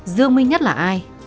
dương minh nhất là ai